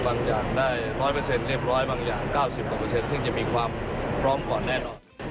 บางอย่างได้๑๐๐เรียบร้อยบางอย่าง๙๐ซึ่งจะมีความพร้อมก่อนแน่นอน